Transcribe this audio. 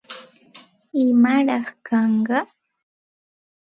¿Imaraq kanqa?